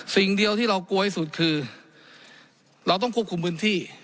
สิ่งเดียวที่เรากลัวที่สุดคือเราต้องควบคุมพื้นที่